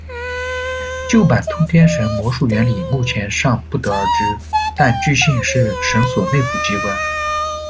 旧版通天绳魔术原理，目前尚不得而知，但据信是绳索内部机关。